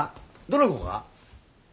どの子が？